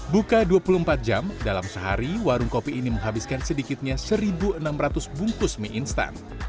buka dua puluh empat jam dalam sehari warung kopi ini menghabiskan sedikitnya satu enam ratus bungkus mie instan